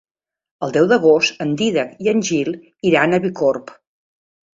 El deu d'agost en Dídac i en Gil iran a Bicorb.